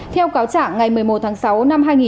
theo cáo trả ngày một mươi một tháng sáu